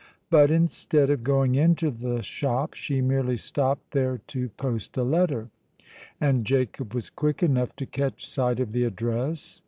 But, instead of going into the shop, she merely stopped there to post a letter; and Jacob was quick enough to catch sight of the address.